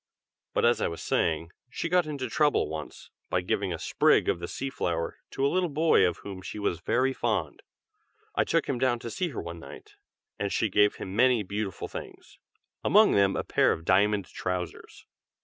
But as I was saying, she got into trouble once, by giving a sprig of the sea flower to a little boy of whom she was very fond. I took him down to see her one night, and she gave him many beautiful things, among them a pair of diamond trousers."